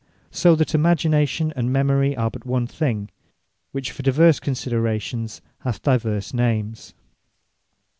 So that Imagination and Memory, are but one thing, which for divers considerations hath divers names.